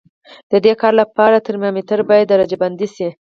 د دې کار لپاره ترمامتر باید درجه بندي شي.